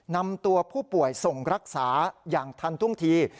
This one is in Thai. นำตัวผู้ป่วยส่งรักษาอย่างทันทุ่งที